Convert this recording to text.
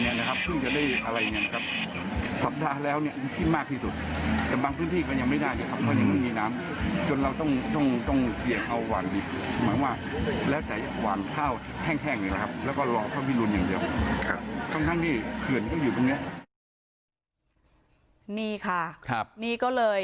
นี่ค่ะนี่ก็เลยคือคำนาจ